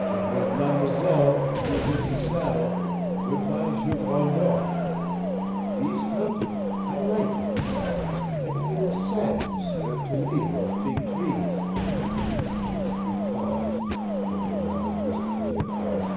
An' w'en Mademoiselle, he is in the saddle, good bye Jules Rondeau. Thees country I like him. I feel sad, M'sieur, to leave dose beeg trees." He paused, looking rather wistfully at Bryce.